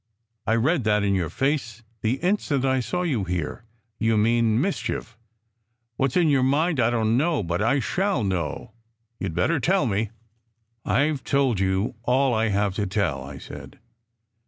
I read that in your face the instant I saw you here. You mean mischief. What s in your mind I don t know, but I shall know! You d better tell me!" " I ve told you all I have to tell," I said.